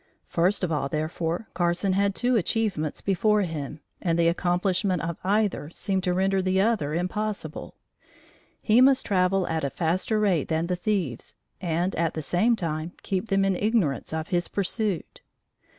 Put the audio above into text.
First of all, therefore, Carson had two achievements before him and the accomplishment of either seemed to render the other impossible: he must travel at a faster rate than the thieves, and, at the same time keep them in ignorance of his pursuit.